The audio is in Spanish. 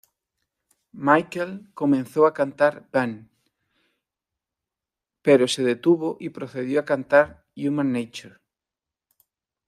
Michael comenzó a cantar "Ben", pero se detuvo y procedió a cantar "Human Nature".